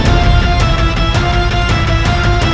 tidak ada alasan